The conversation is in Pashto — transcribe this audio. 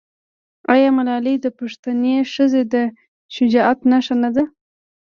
آیا ملالۍ د پښتنې ښځې د شجاعت نښه نه ده؟